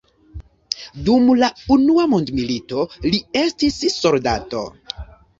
Dum la unua mondmilito li estis soldato.